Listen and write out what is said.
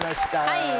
はい。